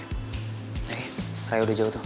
rai rai udah jauh tuh